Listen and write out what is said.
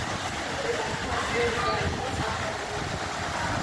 ციხესიმაგრე უფრო ადრე უნდა იყოს აგებული.